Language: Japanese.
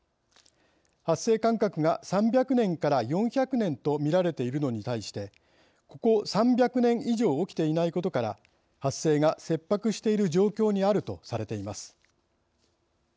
発生間隔が３００年から４００年と見られているのに対してここ３００年以上起きていないことから発生が切迫している状況にあるとされています。